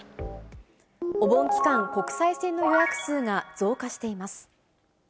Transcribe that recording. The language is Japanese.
お盆期間、国際線の予約数が増加しています。